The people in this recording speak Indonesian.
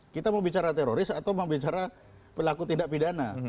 kita mau bicara teroris atau mau bicara pelaku tindak pidana